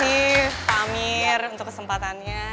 terima kasih pak amir untuk kesempatannya